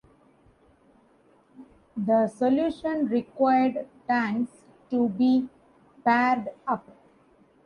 The solution required tanks to be paired up.